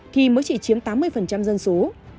thì mới chỉ chiếm tám mươi dân số